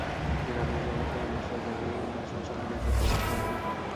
রান্নায় ব্যবহার করা মসলার ঝাঁঝালো গন্ধ আশপাশের অনেকেই সহ্য করতে পারে না।